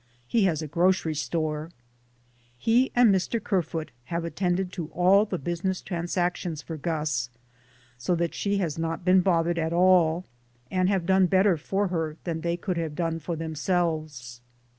He has a grocery store. He and Mr. Kerfoot have attended to all business transactions for Gus, so that she has not been bothered at all, and have done better for her than they could have done for themselves.